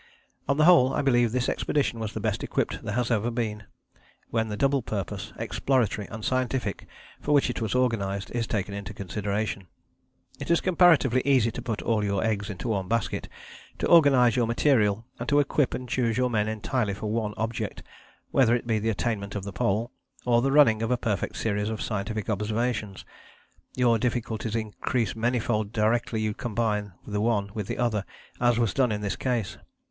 On the whole I believe this expedition was the best equipped there has ever been, when the double purpose, exploratory and scientific, for which it was organized, is taken into consideration. It is comparatively easy to put all your eggs into one basket, to organize your material and to equip and choose your men entirely for one object, whether it be the attainment of the Pole, or the running of a perfect series of scientific observations. Your difficulties increase many fold directly you combine the one with the other, as was done in this case.